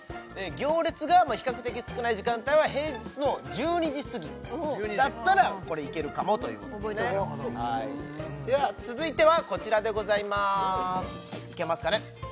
行列が比較的少ない時間帯は平日の１２時すぎだったらこれいけるかもということですねでは続いてはこちらでございますいけますかね？